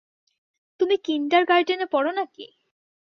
তুমি কিন্ডারগার্টেনে পড়ো না কি?